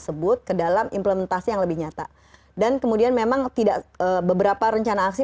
sebut ke dalam implementasi yang lebih nyata dan kemudian memang tidak beberapa rencana aksi